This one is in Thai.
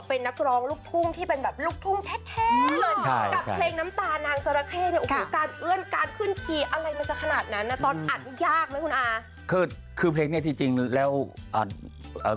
พี่บุ่มพูดนะว่าคุณอาเซรีเนี่ยถือว่าเป็นนักร้องลูกทุ่ง